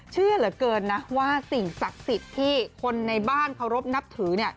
เชื่อเหลือเกินนะว่าสิ่งศักดิ์สิทธิ์ที่คนในบ้านเคารพนับถือ